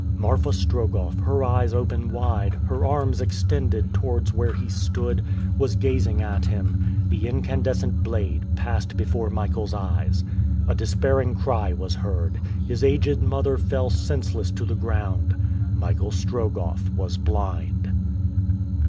Marfa Strogoff, her eyes open wide, her arms extended towards where he stood, was gazing at him. The incandescent blade passed before Michael's eyes. A despairing cry was heard. His aged mother fell senseless to the ground. Michael Strogoff was blind.